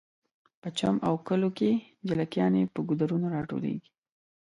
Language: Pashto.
په چم او کلیو کې جلکیانې په ګودرونو راټولیږي